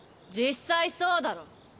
実際そうだろ。